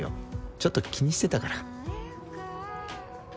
ちょっと気にしてたから。